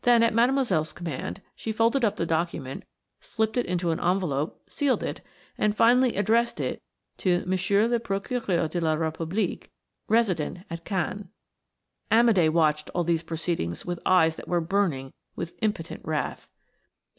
Then, at Mademoiselle's command, she folded up the document, slipped it into an envelope, sealed it, and finally addressed it to M. le Procureur de la République, resident at Caen. Amédé watched all these proceedings with eyes that were burning with impotent wrath.